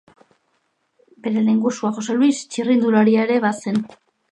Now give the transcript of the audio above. Bere lehengusua Jose Luis txirrindularia ere bazen.